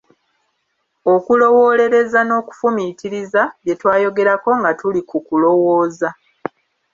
Okulowoolereza n'okufumiitiriza, bye twayogerako nga tuli ku kulowooza.